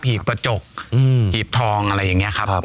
ีกกระจกถีบทองอะไรอย่างนี้ครับ